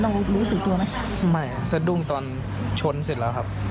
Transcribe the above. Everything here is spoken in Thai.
รู้สึกตัวไหมไม่ครับสะดุ้งตอนชนเสร็จแล้วครับ